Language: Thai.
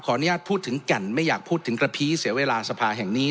อนุญาตพูดถึงแก่นไม่อยากพูดถึงกระพีเสียเวลาสภาแห่งนี้